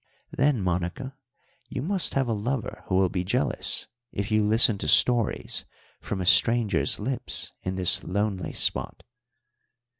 "Then, Monica, you must have a lover who will be jealous if you listen to stories from a stranger's lips in this lonely spot."